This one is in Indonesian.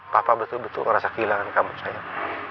papa betul betul merasa kehilangan kamu sayang